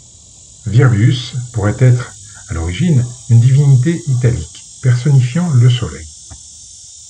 Virbius pourrait être, à l'origine, une divinité italique, personnifiant le Soleil.